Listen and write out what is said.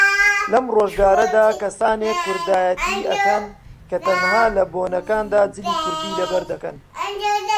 لەم ڕۆژگارەدا کەسانێک کوردایەتی ئەکەن کە تەنها لە بۆنەکاندا جلی کوردی لەبەردەکەن